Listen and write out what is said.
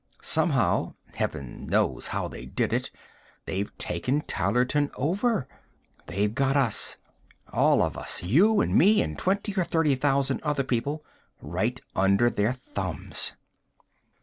Somehow heaven knows how they did it they've taken Tylerton over. They've got us, all of us, you and me and twenty or thirty thousand other people, right under their thumbs.